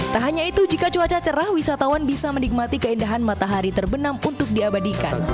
tak hanya itu jika cuaca cerah wisatawan bisa menikmati keindahan matahari terbenam untuk diabadikan